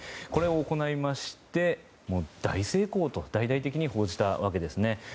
これを行いまして大成功と大々的に報じたわけですね。